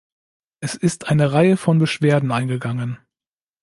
Es ist eine Reihe von Beschwerden eingegangen.